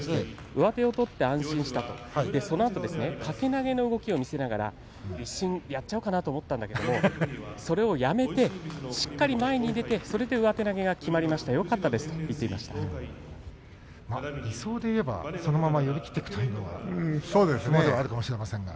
上手を取って安心したそのあと掛け投げの動きを見せながら一瞬やっちゃおうかなと思ったんだけど、それをやめてしっかり前に出てそれで上手投げが決まりました理想ではそのまま寄り切っていくというのはあるかもしれませんが。